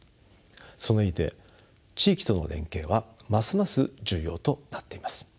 その意味で地域との連携はますます重要となっています。